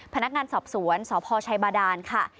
พนักงานสอบสวนสพชัยบาดานค่ะ